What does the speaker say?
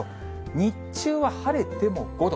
日中は晴れても５度。